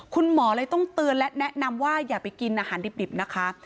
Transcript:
คุณหมอเลยต้องเตือนและแนะนำว่าอย่าไปกินอาหารดิบนะคะ